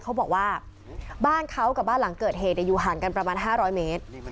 เขาบอกว่าบ้านเขากับบ้านหลังเกิดเหตุอยู่ห่างกันประมาณ๕๐๐เมตร